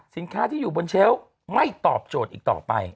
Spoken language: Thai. สินค้าที่อยู่บนเชลล์ไม่ตอบโจทย์อีกต่อไป